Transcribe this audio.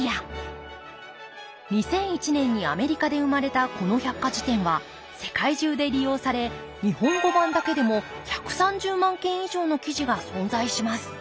２００１年にアメリカで生まれたこの百科事典は世界中で利用され日本語版だけでも１３０万件以上の記事が存在します